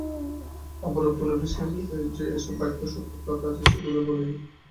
আবার উপনিষদের যে-সব বাক্যে শক্তির কথা আছে, সেগুলিই বলি।